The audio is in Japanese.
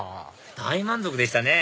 大満足でしたね